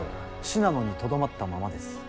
信濃にとどまったままです。